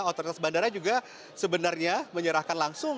otoritas bandara juga sebenarnya menyerahkan langsung